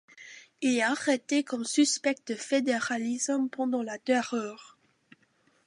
Il est arrêté comme suspect de fédéralisme pendant la Terreur.